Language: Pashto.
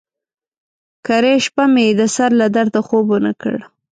کرۍ شپه مې د سر له درده خوب ونه کړ.